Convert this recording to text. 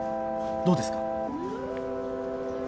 どうですか？